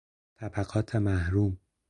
طبقات محروم